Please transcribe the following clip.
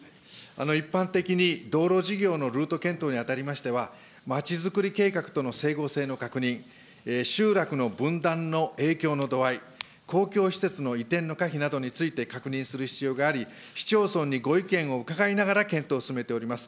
一般的に道路事業のルート検討にあたりましては、まちづくり計画との整合性の確認、集落の分断の影響の度合い、公共施設の移転の可否などについて確認する必要があり、市町村にご意見をお伺いながら、検討を進めております。